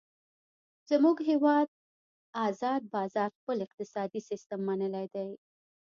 زمونږ هیواد ازاد بازار خپل اقتصادي سیستم منلی دی.